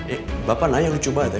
eh bapak naik lucu banget ya